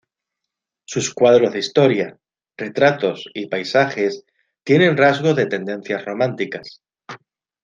Sus cuadros de historia, retratos y paisajes tienen rasgos de tendencias románticas.